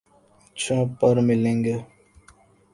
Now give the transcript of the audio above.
اچھا ، پرملیں گے